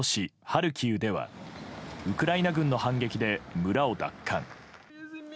ハルキウではウクライナ軍の反撃で村を奪還。